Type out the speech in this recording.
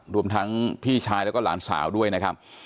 รวมทั้งพี่ชายแล้วก็หลานสาวด้วยนะครับ